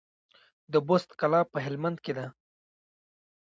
د بست کلا په هلمند کې ده